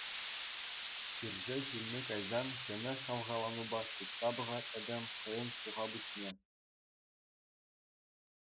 Кӳршӗ ҫынни кайсан ҫӗнӗ хавхаланупа тытса пӑхать этем хӑйӗн суха пуҫне.